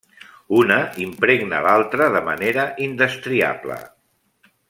Una impregna l’altra de manera indestriable.